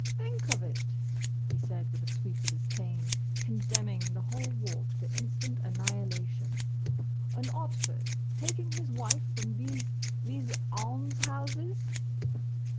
"Think of it!" he said with a sweep of his cane condemning the whole Walk to instant annihilation. "An Otford taking his wife from these—these—Almshouses!"